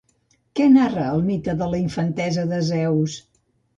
Què narra el mite de la infantesa de Zeus?